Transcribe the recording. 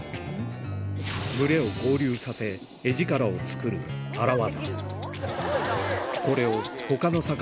群れを合流させ画力を作る荒業